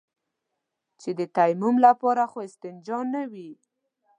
چې د تيمم لپاره خو استنجا نه وي.